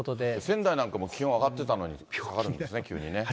仙台なんかも気温上がってたのに、下がるんですね、急にね。